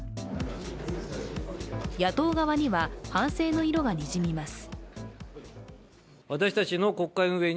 野党側には反省の色がにじみます。